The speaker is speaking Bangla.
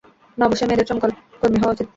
না, অবশ্যই মেয়েদের চমকল কর্মী হওয়া উচিত।